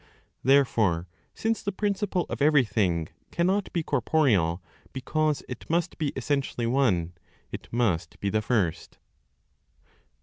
Therefore, since the principle of everything cannot be corporeal, because it must be essentially one, it must be the First.